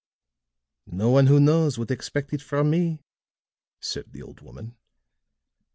"No one who knows would expect it from me," said the old woman.